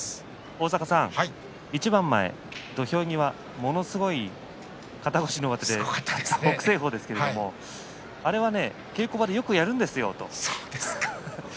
一番前、土俵際ものすごい肩越しの上手で勝った北青鵬ですが、あれは稽古場でよくやるんですよと。